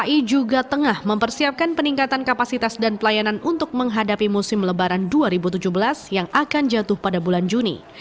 dki juga tengah mempersiapkan peningkatan kapasitas dan pelayanan untuk menghadapi musim lebaran dua ribu tujuh belas yang akan jatuh pada bulan juni